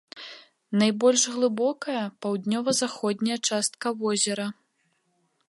Найбольш глыбокая паўднёва-заходняя частка возера.